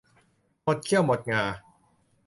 หมดเขี้ยวหมดงา